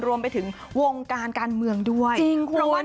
รวมไปถึงวงการการเมืองด้วยจริงคุณ